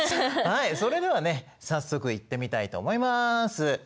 はいそれではね早速いってみたいと思います。